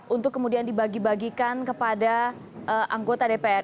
untuk kemudian dibagi bagikan kepada anggota dpr